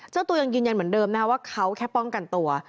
เจ้าตัวยังยืนยันเหมือนเดิมนะว่าเขาแค่ป้องกันตัว